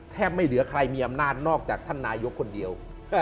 ไม่เหลือใครมีอำนาจนอกจากท่านนายกคนเดียว